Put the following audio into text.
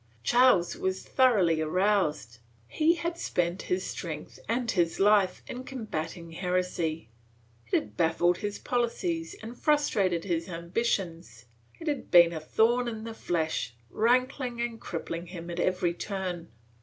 ^ Charles was thoroughly aroused. He had spent his strength and his life in combating heresy; it had baffled his poUcies and frustrated his ambitions; it had been a thorn in the flesh, rankling and crippling him at every turn.